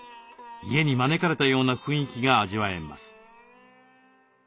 家に招かれたような雰囲気が味わえます。